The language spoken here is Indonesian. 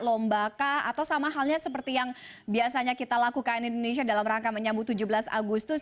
lomba kah atau sama halnya seperti yang biasanya kita lakukan di indonesia dalam rangka menyambut tujuh belas agustus